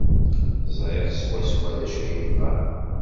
Ẓriɣ swaswa d acu ay bɣan.